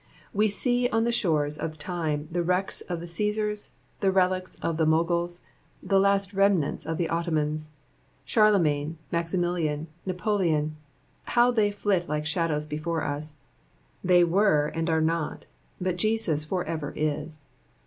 We see on the shore of time the wrecks of the Cassars, the relics of the Moguls, and the last remnants of the Ottomans. Charlemagne, Maximilian, Napoleon, how they flit like shadows before us ! They were and are not ; but Jesus for ever is.